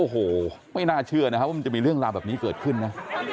โอ้โหไม่น่าเชื่อนะครับว่ามันจะมีเรื่องราวแบบนี้เกิดขึ้นนะ